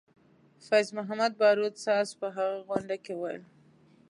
فیض محمدباروت ساز په هغه غونډه کې وویل.